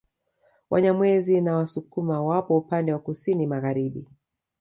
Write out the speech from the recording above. Wanyamwezi na Wasukuma wapo upande wa Kusini magharibi